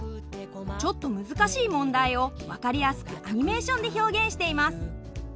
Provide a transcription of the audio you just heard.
ちょっと難しい問題を分かりやすくアニメーションで表現しています。